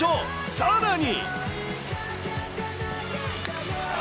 さらに。